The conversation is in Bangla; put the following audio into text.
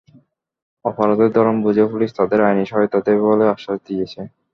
অপরাধের ধরন বুঝে পুলিশ তাঁদের আইনি সহায়তা দেবে বলে আশ্বাস দিয়েছে।